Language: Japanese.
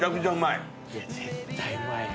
・いや絶対うまいよ。